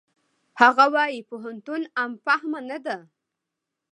هغه وايي پوهنتون عام فهمه نه ده.